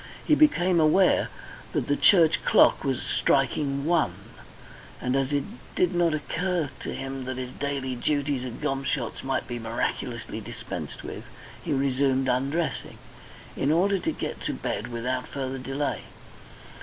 He became aware that the church clock was striking one, and as it did not occur to him that his daily duties at Gomshott's might be miraculously dispensed with, he resumed undressing, in order to get to bed without further delay.